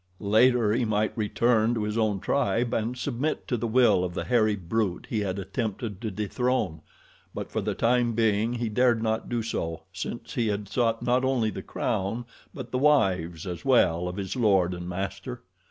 Later he might return to his own tribe and submit to the will of the hairy brute he had attempted to dethrone; but for the time being he dared not do so, since he had sought not only the crown but the wives, as well, of his lord and master.